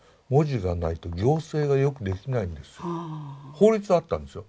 法律はあったんですよ。